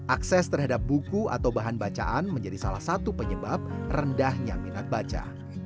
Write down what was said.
akses terhadap buku atau bahan bacaan menjadi salah satu penyebab rendahnya minat baca